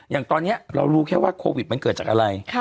อย่างตอนนี้เรารู้แค่ว่าโควิดมันเกิดจากอะไร